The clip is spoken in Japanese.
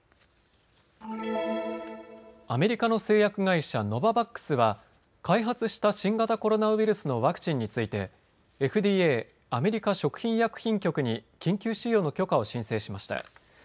アメリカの製薬会社ノババックスは開発した新型コロナウイルスのワクチンについてＦＤＡ・アメリカ食品医薬品局に緊急使用の許可を申請しました。